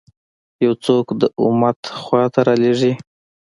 یو څوک د امت خوا ته رالېږي.